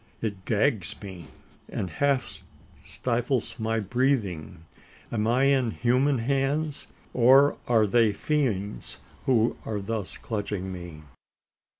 It gags me, and half stifles my breathing! Am I in human hands? or are they fiends who are thus clutching me?